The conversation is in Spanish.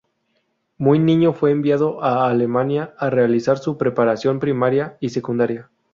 Muy niño fue enviado a Alemania a realizar su preparación primaria y secundaria.